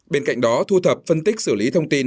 bên cạnh đó thu thập phân tích xử lý thông tin